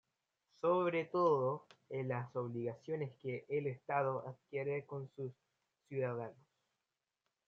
Sobre todo en las obligaciones que el Estado adquiere con sus ciudadanos.